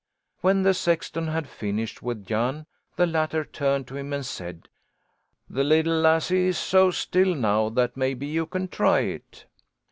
When the sexton had finished with Jan, the latter turned to him, and said: "The li'l' lassie is so still now that maybe you can try it."